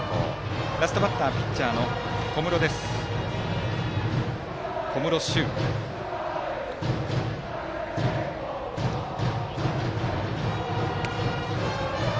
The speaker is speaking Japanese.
ラストバッターはピッチャーの小室朱生です。